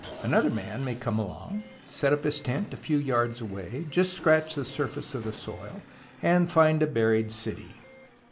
Another man may come along, set up his tent a few yards away, just scratch the surface of the soil, and find a buried city.